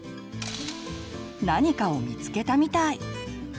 何かを見つけたみたい。